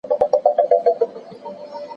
د جګړي اغیزې لا هم شتون لري.